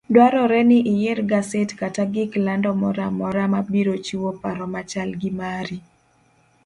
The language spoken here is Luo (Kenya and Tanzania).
Dwarore ni iyier gaset kata gik lando moramora mabiro chiwo paro machal gi mari.